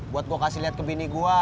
buat gue kasih lihat ke bini gue